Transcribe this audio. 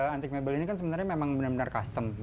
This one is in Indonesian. antik mebel ini kan sebenarnya memang benar benar custom